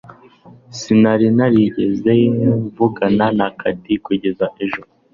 sinari narigeze mvugana na cathy kugeza ejo